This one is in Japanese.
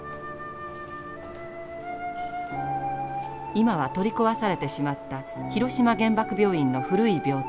今は取り壊されてしまった広島原爆病院の古い病棟。